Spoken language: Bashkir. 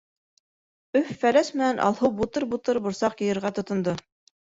Өф-Фәләс менән Алһыу бутыр-бутыр борсаҡ йыйырға тотондо.